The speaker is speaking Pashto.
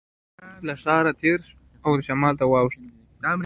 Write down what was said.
له ښار څخه تېر او شمال ته واوښتو.